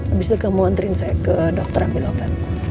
abis itu kamu antrin saya ke dokter ambil obat